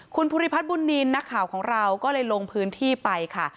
คุณภูริพัฒน์บุญนินทร์นักข่าวของเราก็เลยลงพื้นที่ไปค่ะ